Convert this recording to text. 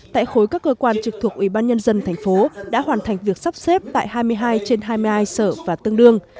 tại khối các cơ quan trực thuộc ủy ban nhân dân thành phố đã hoàn thành việc sắp xếp tại hai mươi hai trên hai mươi hai sở và tương đương